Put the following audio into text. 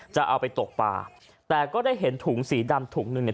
จะเอาไปตกป่าแต่ก็ได้เห็นถุงสีดำถุงหนึ่งเนี่ย